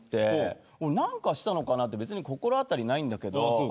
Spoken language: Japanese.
俺何かしたのかなって別に心当たりないんだけど。